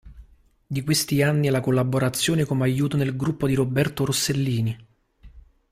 Di questi anni la collaborazione come aiuto nel gruppo di Roberto Rossellini.